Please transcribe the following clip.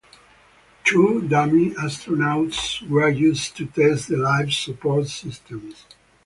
Two dummy astronauts were used to test the life support systems.